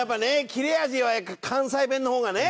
切れ味は関西弁の方がね。